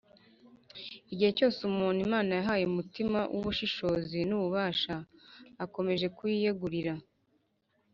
igihe cyose umuntu imana yahaye umutima w’ubushishozi n’ububasha akomeje kuyiyegurira,